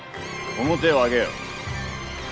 面を上げよ。